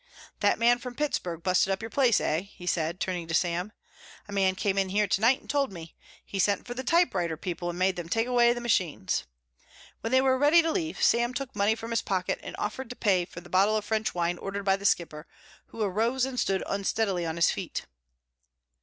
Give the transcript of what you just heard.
"That man from Pittsburgh busted up your place, eh?" he said, turning to Sam. "A man came in here to night and told me. He sent for the typewriter people and made them take away the machines." When they were ready to leave, Sam took money from his pocket and offered to pay for the bottle of French wine ordered by The Skipper, who arose and stood unsteadily on his feet.